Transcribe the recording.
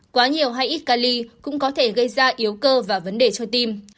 quá nhiều hay ít cali cũng có thể gây ra yếu cơ và vấn đề cho tim